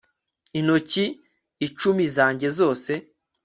intoki icumi zanjye zose